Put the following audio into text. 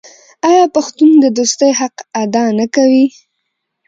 آیا پښتون د دوستۍ حق ادا نه کوي؟